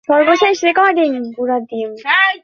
Peon থেকে কেরানী, সবাই হাত পেতে থাকে।